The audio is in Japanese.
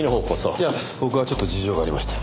いや僕はちょっと事情がありまして。